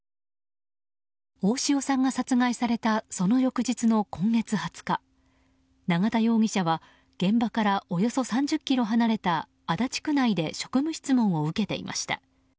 大塩さんが殺害されたその翌日の今月２０日永田容疑者は現場からおよそ３０ｋｍ離れた足立区内で職務質問を受けていました。